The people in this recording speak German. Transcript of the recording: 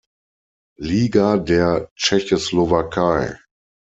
Liga der Tschechoslowakei.